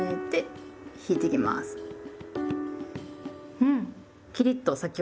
うん。